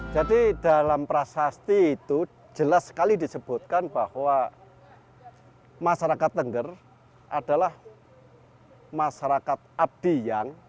jadi dalam prasasti itu jelas sekali disebutkan bahwa masyarakat tengger adalah masyarakat abdi yang